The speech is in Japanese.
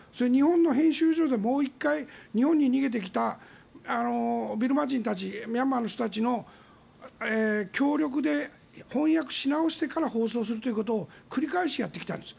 日本の編集でもう１回日本に逃げてきたビルマ人たちミャンマーの人たちの協力で翻訳し直してから放送するということを繰り返しやってきた。